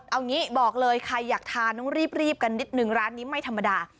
เอางี้บอกเลยใครอยากทานต้องรีบกันนิดนึงร้านนี้ไม่ธรรมดา